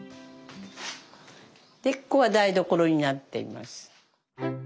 でここが台所になっています。